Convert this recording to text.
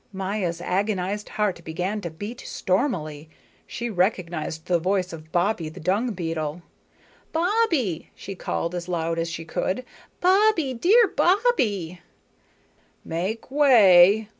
Maya's agonized heart began to beat stormily. She recognized the voice of Bobbie, the dung beetle. "Bobbie," she called, as loud as she could, "Bobbie, dear Bobbie!" "Make way!